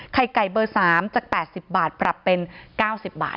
ไข่ไก่เบอร์๓จาก๘๐บาทปรับเป็น๙๐บาท